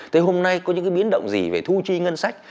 thế hôm nay có những cái biến động gì về thu chi ngân sách